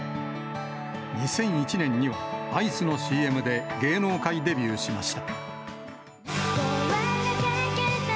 ２００１年には、アイスのＣＭで芸能界デビューしました。